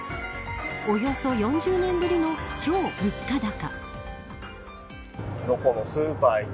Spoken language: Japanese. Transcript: およそ４０年ぶりの超物価高。